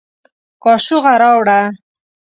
کاشوغه راوړه